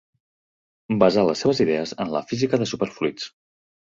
Basà les seves idees en la física de superfluids.